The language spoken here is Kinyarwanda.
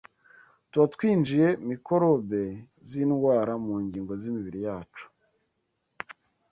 tuba twinjije mikorobi z’indwara mu ngingo z’imibiri yacu